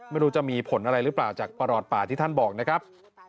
ไม่รู้จะมีผลอะไรหรือเปล่าจากประหลอดป่าที่ท่านบอกนะครับ